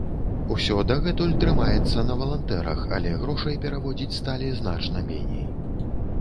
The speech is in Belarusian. Усё дагэтуль трымаецца на валантэрах, але грошай пераводзіць сталі значна меней.